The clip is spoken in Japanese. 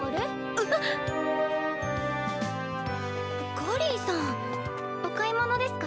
果林さん。お買い物ですか？